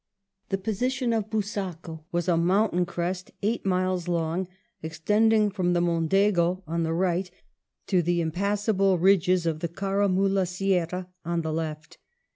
The position of Busaco was a mountain crest eight miles long, extending from the Mondego on the right to the impassable ridges of the Caramula Sierra on the left.